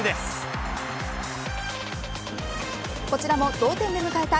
こちらも同点で迎えた